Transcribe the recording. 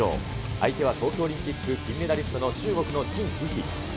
相手は東京オリンピック金メダリストの中国の陳雨菲。